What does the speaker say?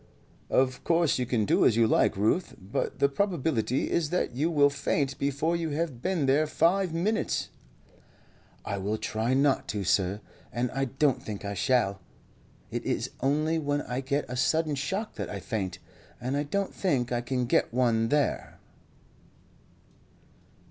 "Of course you can do as you like, Ruth; but the probability is that you will faint before you have been there five minutes." "I will try not to, sir, and I don't think I shall. It is only when I get a sudden shock that I faint, and I don't think I can get one there."